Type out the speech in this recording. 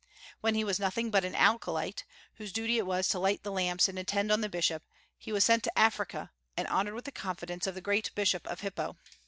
When he was nothing but an acolyte, whose duty it was to light the lamps and attend on the bishop, he was sent to Africa and honored with the confidence of the great Bishop of Hippo.